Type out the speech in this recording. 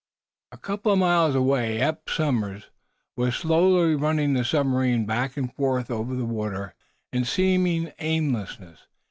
A couple of miles away Eph Somers was slowly running the submarine back and forth over the water in seeming aimlessness.